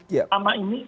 pada masa ini